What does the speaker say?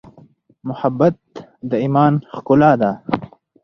محبت د ایمان ښکلا ده.